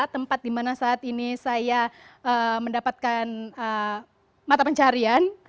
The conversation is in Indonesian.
tempat dimana saat ini saya mendapatkan mata pencarian